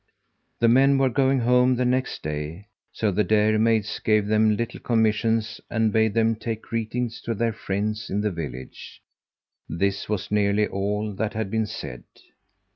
The men were going home the next day, so the dairymaids gave them little commissions and bade them take greetings to their friends in the village. This was nearly all that had been said.